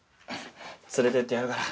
連れてってやるから。